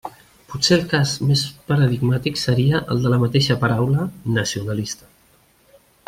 Potser el cas més paradigmàtic seria el de la mateixa paraula «nacionalista».